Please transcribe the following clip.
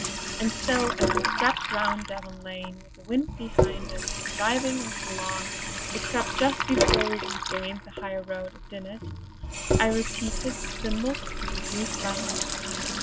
And so as we swept round Davan Lake, with the wind behind us driving us along except just before we regained the high road at Dinnet, I repeated the symbols of the reduced biliteral.